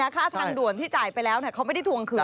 ค่าทางด่วนที่จ่ายไปแล้วเขาไม่ได้ทวงคืน